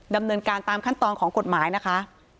ดำเนินการตามขั้นตอนของกฎหมายนะคะ